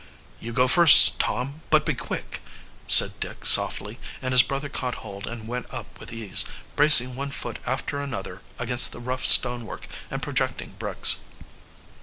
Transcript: "You go first, Tom but be quick!" said Dick softly, and his brother caught hold and went up with ease, bracing one foot after another against the rough stonework and projecting bricks.